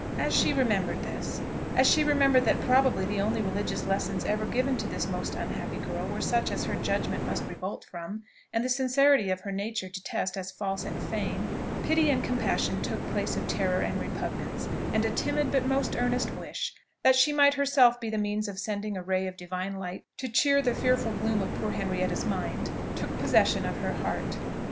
As she remembered this as she remembered that, probably, the only religious lessons ever given to this most unhappy girl were such as her judgment must revolt from, and the sincerity of her nature detest as false and feigned, pity and compassion took place of terror and repugnance, and a timid, but most earnest wish, that she might herself be the means of sending a ray of divine light to cheer the fearful gloom of poor Henrietta's mind, took possession of her heart.